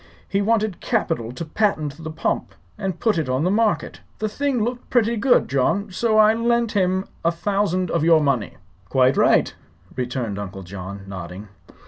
He wanted capital to patent the pump and put it on the market. The thing looked pretty good, John; so I lent him a thousand of your money." "Quite right," returned Uncle John, nodding.